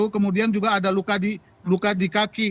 kemudian juga ada luka di kaki